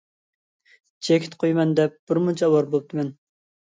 چېكىت قويىمەن دەپ بىر مۇنچە ئاۋارە بوپتىمەن.